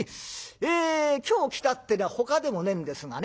ええ今日来たってのはほかでもねえんですがね